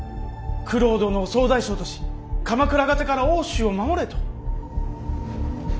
九郎殿を総大将とし鎌倉方から奥州を守れと。